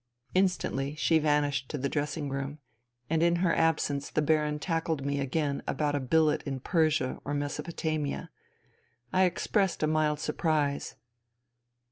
Instantly she vanished to the dressing room ; and in her absence the Baron tackled me again about a billet in Persia or Mesopotamia. I expressed a mild surprise.